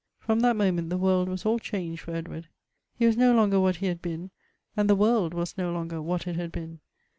From that moment the world was all changed for Ed ward. He was no longer what he had been, and the world was no longer what it had been.